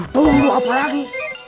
tunggu apa lagi